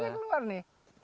iya akarnya keluar nih